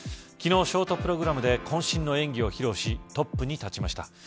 昨日、ショートプログラムで渾身の演技を披露しトップに立ちました。